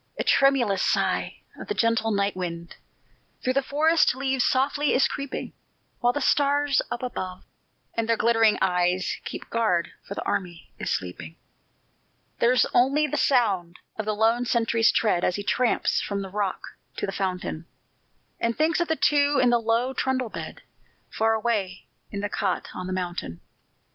A tremulous sigh of the gentle night wind Through the forest leaves softly is creeping, While the stars up above, with their glittering eyes, Keep guard, for the army is sleeping. There's only the sound of the lone sentry's tread As he tramps from the rock to the fountain, And thinks of the two in the low trundle bed Far away in the cot on the mountain.